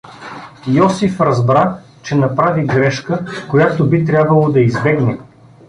Йосиф разбра, че направи грешка, която би трябвало да избегне.